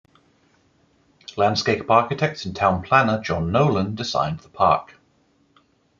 Landscape architect and town planner John Nolen designed the park.